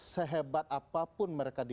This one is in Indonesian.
sehebat apapun mereka dipakai